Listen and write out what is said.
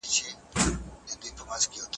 خلک د اوبو لپاره د ارغنداب سیند څخه ګټه اخلي.